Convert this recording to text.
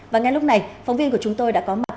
và ngay lúc này phóng viên của chúng tôi đã có mặt